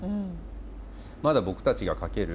まだ僕たちが描ける